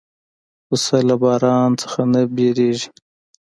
پسه له باران نه وېرېږي.